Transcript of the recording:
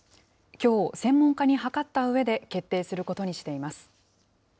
きょう、専門家に諮ったうえで決定することにしています。